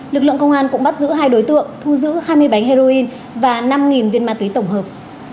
lực lượng công an cũng bắt giữ hai đối tượng thu giữ hai mươi bánh heroin và năm viên ma túy tổng hợp